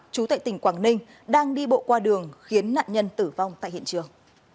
chú tại tỉnh quảng ninh đang đi bộ qua đường khiến nạn nhân tử vong tại hiện trường